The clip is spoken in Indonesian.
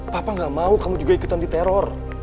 papa gak mau kamu juga ikutan diteror